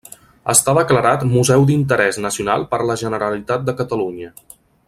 Està declarat museu d'interès nacional per la Generalitat de Catalunya.